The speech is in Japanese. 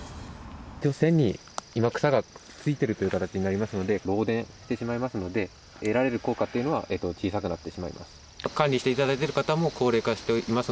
線に今、草がついているという形になりますので、漏電してしまいますので、得られる効果というのは、小さくなってしまいます。